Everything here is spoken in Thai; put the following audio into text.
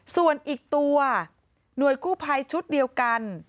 ส่วนอีกตัวหน่วยกู้ภัยชุดเดียวกัน